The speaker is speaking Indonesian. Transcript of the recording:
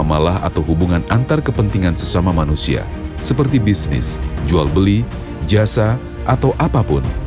masalah atau hubungan antar kepentingan sesama manusia seperti bisnis jual beli jasa atau apapun